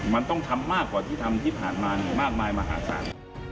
มันต้องทำมากกว่าที่ทำที่ผ่านมามากมายมหาศาล